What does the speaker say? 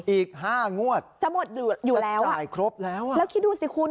อีก๕งวดจะจ่ายครบแล้วอ่ะจะหมดอยู่แล้วแล้วคิดดูสิคุณ